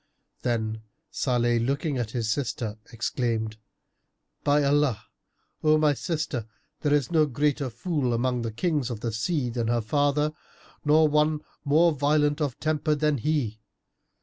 Then Salih, looking at his sister, exclaimed, "By Allah, O my sister, there is no greater fool among the Kings of the sea than her father nor one more violent of temper than he!